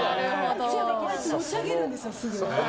持ち上げるんですよ、すぐ。